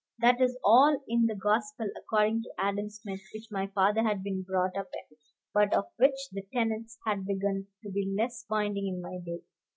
That is all in the Gospel according to Adam Smith, which my father had been brought up in, but of which the tenets had begun to be less binding in my day.